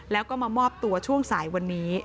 แล้วก็มามอบตัวช่วงสายวันนี้